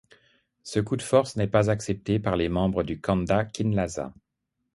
Ce coup de force n'est pas accepté par les membres du Kanda Kinlaza.